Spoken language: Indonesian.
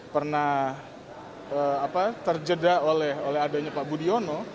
pernah terjeda oleh adanya pak budiono